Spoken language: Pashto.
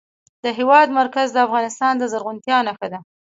د هېواد مرکز د افغانستان د زرغونتیا نښه ده.